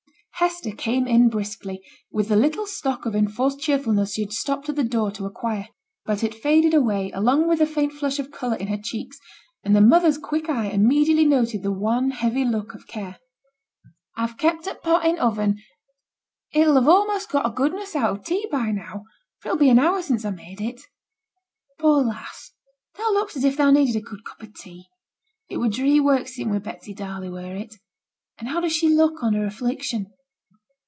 Hester came in briskly, with the little stock of enforced cheerfulness she had stopped at the door to acquire. But it faded away along with the faint flush of colour in her cheeks; and the mother's quick eye immediately noted the wan heavy look of care. 'I have kept t' pot in t' oven; it'll have a'most got a' t' goodness out of t' tea by now, for it'll be an hour since I made it. Poor lass, thou look'st as if thou needed a good cup o' tea. It were dree work sitting wi' Betsy Darley, were it? And how does she look on her affliction?'